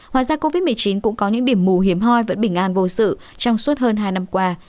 ngoài ra covid một mươi chín cũng có những điểm mù hiểm hoi vẫn bình an vô sự trong suốt hơn hai năm qua